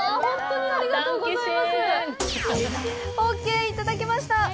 オーケーいただけました。